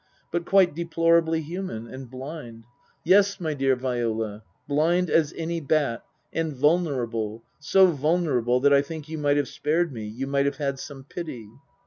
but quite deplorably human, and blind yes, my dear Viola, blind as any bat and vulnerable, so vulnerable that I think you might have spared me, you might have had some pity.